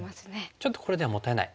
ちょっとこれではもったいない。